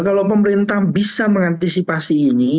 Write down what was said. kalau pemerintah bisa mengantisipasi ini